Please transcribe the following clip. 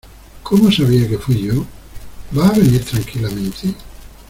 ¿ Cómo sabía que fui yo? ¿ va a venir tranquilamente ?